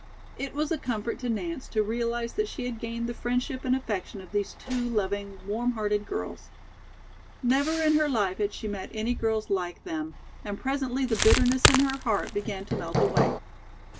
It was a comfort to Nance to realize that she had gained the friendship and affection of these two loving, warm hearted girls. Never in her life had she met any girls like them, and presently the bitterness in her heart began to melt away.